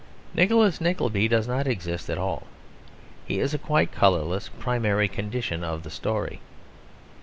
Nicholas Nickleby does not exist at all; he is a quite colourless primary condition of the story.